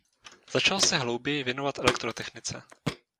Začal se hlouběji věnovat elektrotechnice.